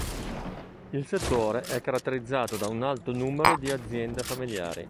Il settore è caratterizzato da un alto numero di aziende familiari.